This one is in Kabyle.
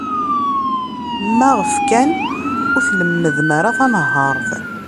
Maɣef kan ur tlemmdem ara tanhaṛt?